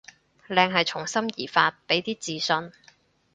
靚係從心而發，畀啲自信